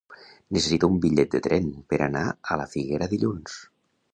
Necessito un bitllet de tren per anar a la Figuera dilluns.